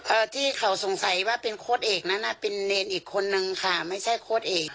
ที่เขาสงสัยว่าเป็นโค้ดเอกนั้นอ่ะเป็นเนรอีกคนนึงค่ะไม่ใช่โค้ดเอก